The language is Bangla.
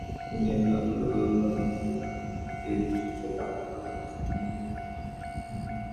তাঁদের সঙ্গে কাঁধে কাঁধ মিলিয়ে এগিয়েছিলেন ঠাকুরকুল—চন্দ্রশেখর, বিশ্বনাথ প্রতাপ সিং, বীরবাহাদুর সিংরা।